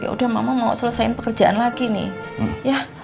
yaudah mama mau selesaikan pekerjaan lagi nih